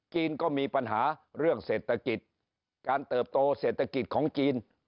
จีนก็มีปัญหาเรื่องเศรษฐกิจการเติบโตเศรษฐกิจของจีน